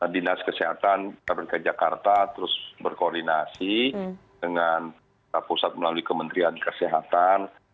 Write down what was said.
dinas kesehatan jakarta terus berkoordinasi dengan pusat melalui kementerian kesehatan